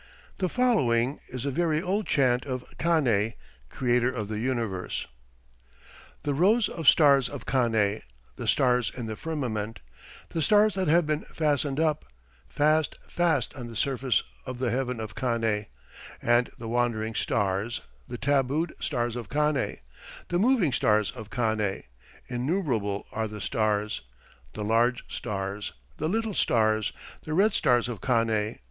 The following is a very old chant of Kane, Creator of the Universe: "The rows of stars of Kane, The stars in the firmament, The stars that have been fastened up, Fast, fast, on the surface of the heaven of Kane, And the wandering stars, The tabued stars of Kane, The moving stars of Kane; Innumerable are the stars; The large stars, The little stars, The red stars of Kane.